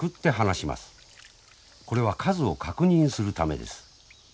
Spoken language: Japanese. これは数を確認するためです。